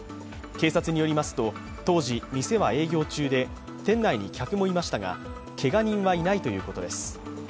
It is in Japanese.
警察によりますと、当時、店は営業中で店内に客もいましたが、けが人はいないということです。